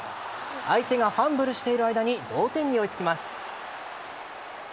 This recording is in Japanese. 相手がファンブルしている間に同点に追いつきます。